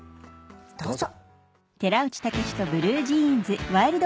どうぞ。